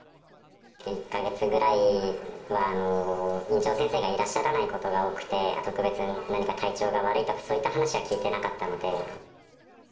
１か月ぐらいは院長先生がいらっしゃらないことが多くて、特別、何か体調が悪いとか、そういった話は聞いてなかったので。